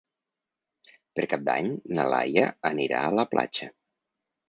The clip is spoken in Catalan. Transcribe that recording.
Per Cap d'Any na Laia anirà a la platja.